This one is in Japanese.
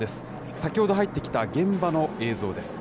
先ほど入ってきた現場の映像です。